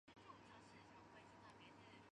黑鼠多见于家舍以及田野。